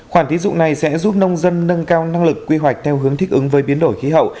khoản tín dụng này sẽ giúp nông dân nâng cao năng lực quy hoạch theo hướng thích ứng với biến đổi khí hậu